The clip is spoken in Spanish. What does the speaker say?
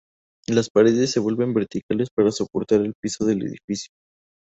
Las paredes se vuelven verticales para soportar el piso del edificio.